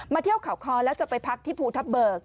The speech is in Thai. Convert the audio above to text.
เที่ยวเขาคอแล้วจะไปพักที่ภูทับเบิก